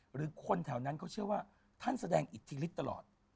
หรือคนแถวนั้นเขาเชื่อว่าท่านแสดงอิทธิฤทธิ์ตลอด